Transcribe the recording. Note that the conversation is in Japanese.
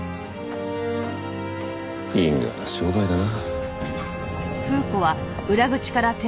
因果な商売だな。